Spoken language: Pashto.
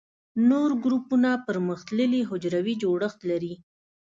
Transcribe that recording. نور ګروپونه پرمختللي حجروي جوړښت لري.